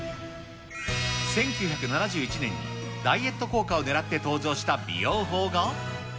１９７１年にダイエット効果をねらって登場した美容法が。